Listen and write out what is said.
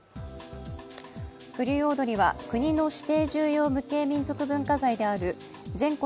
風流踊は、国の指定重要無形民俗文化財である全国